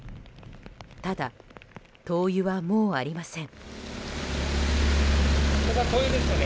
ただ、灯油はもうありません。